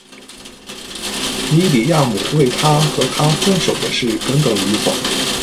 米里亚姆为她和他分手的事耿耿于怀。